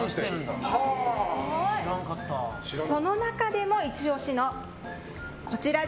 その中でもイチ押しがこちら。